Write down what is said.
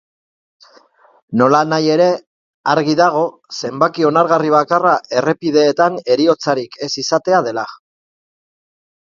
Nolanahi ere, argi dago zenbaki onargarri bakarra errepideetan heriotzarik ez izatea dela.